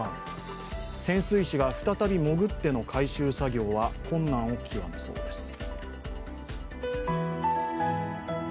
潜水士が再び潜っての回収作業は困難を極めそうです。